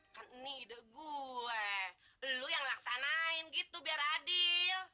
kan ini ide gue lu yang laksanain gitu biar adil